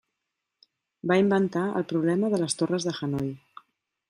Va inventar el problema de les Torres de Hanoi.